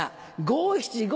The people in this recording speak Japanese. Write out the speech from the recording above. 五・七・五。